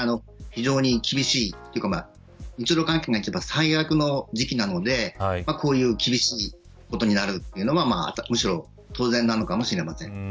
非常に厳しいというか日露関係でいえば最悪の時期なので、こういう厳しいことになるというのはむしろ当然なのかもしれません。